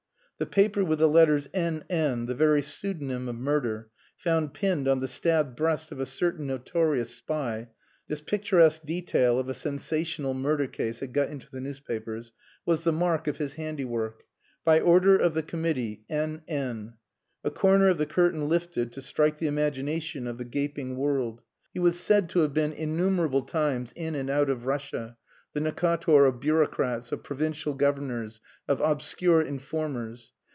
The paper with the letters N.N., the very pseudonym of murder, found pinned on the stabbed breast of a certain notorious spy (this picturesque detail of a sensational murder case had got into the newspapers), was the mark of his handiwork. "By order of the Committee. N.N." A corner of the curtain lifted to strike the imagination of the gaping world. He was said to have been innumerable times in and out of Russia, the Necator of bureaucrats, of provincial governors, of obscure informers.